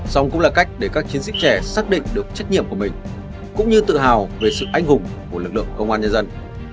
xong cũng là cách để các chiến sĩ trẻ xác định được trách nhiệm của mình cũng như tự hào về sự anh hùng của lực lượng công an nhân dân